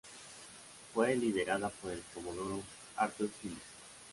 Fue liderada por el comodoro Arthur Phillip.